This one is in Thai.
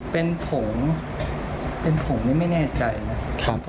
เป็นผงเป็นผงนี่ไม่แน่ใจนะ